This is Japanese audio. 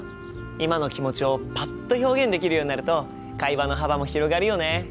今の気持ちをパッと表現できるようになると会話の幅も広がるよね。